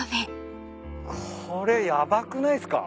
これヤバくないっすか？